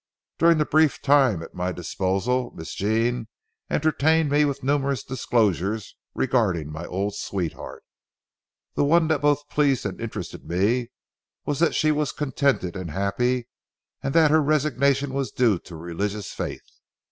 During the brief time at my disposal, Miss Jean entertained me with numerous disclosures regarding my old sweetheart. The one that both pleased and interested me was that she was contented and happy, and that her resignation was due to religious faith.